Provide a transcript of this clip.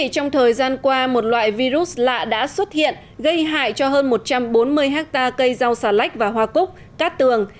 trong thời gian qua một loại virus lạ đã xuất hiện gây hại cho hơn một trăm bốn mươi hectare cây rau xà lách và hoa cúc cát tường